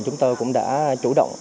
chúng tôi cũng đã chủ động